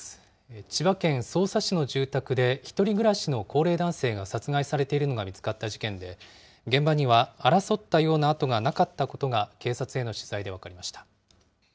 千葉県匝瑳市の住宅で、１人暮らしの高齢男性が殺害されているのが見つかった事件で、現場には争ったような跡がなかったことが警察への取材で分かりま